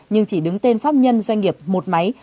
nhưng chỉ đứng tên pháp nhân doanh nghiệp một máy